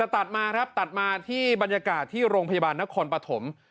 แต่ตัดมาที่บรรยากาศที่โรงพยาบาลนครปฐม